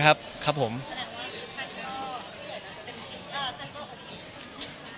ท่านก็โอเค